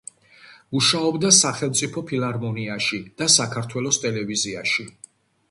მუშაობდა სახელმწიფო ფილარმონიაში და საქართველოს ტელევიზიაში.